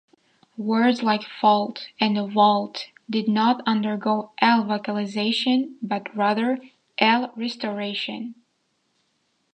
Words like "fault" and "vault" did not undergo L-vocalization but rather L-restoration.